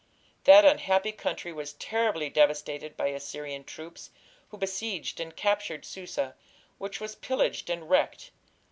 That unhappy country was terribly devastated by Assyrian troops, who besieged and captured Susa, which was pillaged and wrecked.